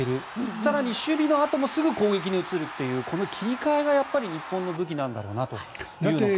更に、守備のあともすぐ攻撃に移るという切り替えが日本の武器なんだろうなというのを感じますね。